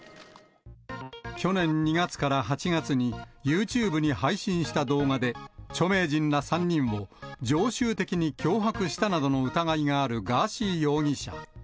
去年２月から８月に、ユーチューブに配信した動画で、著名人ら３人を常習的に脅迫したなどの疑いがあるガーシー容疑者。